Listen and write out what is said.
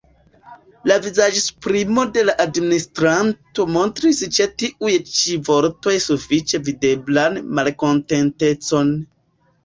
La vizaĝesprimo de la administranto montris ĉe tiuj ĉi vortoj sufiĉe videblan malkontentecon.